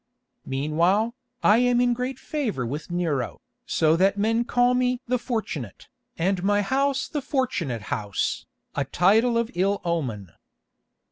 "Meanwhile, I am in great favour with Nero, so that men call me 'the Fortunate,' and my house the 'Fortunate House,' a title of ill omen.